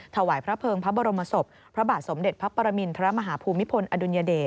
ถวายพระเภิงพระบรมศพพระบาทสมเด็จพระปรมินทรมาฮภูมิพลอดุลยเดช